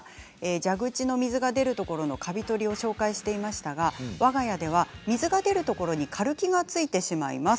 蛇口の水が出るところのカビ取りを紹介していましたがわが家では水が出るところにカルキがついてしまいます。